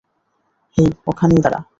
হেই, ওখানেই দাঁড়া!